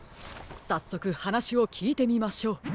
さっそくはなしをきいてみましょう。